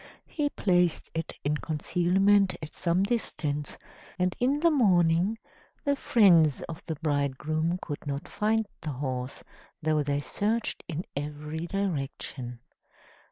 He placed it in concealment at some distance, and in the morning the friends of the bridegroom could not find the horse, though they searched in every direction.